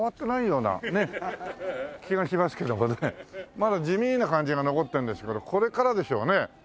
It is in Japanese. まだ地味な感じが残ってるんですけどこれからでしょうね。